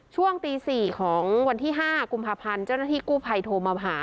ช่วงตี๔ของวันที่๕กุมภาพันธ์เจ้าหน้าที่กู้ภัยโทรมาหา